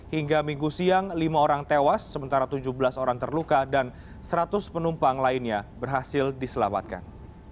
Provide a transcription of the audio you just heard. hingga minggu siang lima orang tewas sementara tujuh belas orang terluka dan seratus penumpang lainnya berhasil diselamatkan